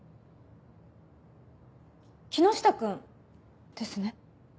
木下君ですね？